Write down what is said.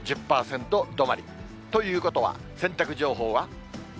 １０％止まり。ということは、洗濯情報は？